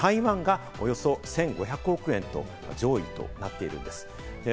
台湾がおよそ１５００億円と上位となっているんです。